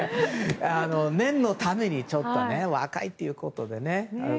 念のために若いということでね。